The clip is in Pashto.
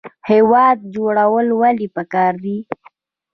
هیواد جوړول ولې پکار دي؟